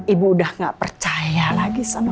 ibu udah gak percaya lagi sama